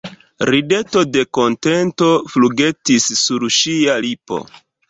Rideto de kontento flugetis sur ŝia lipo.